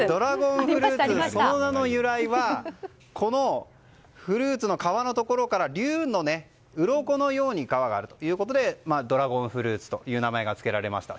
その名の由来はこのフルーツの皮から竜のうろこのように皮があるということでドラゴンフルーツという名前がつけられました。